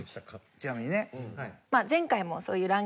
ちなみにね。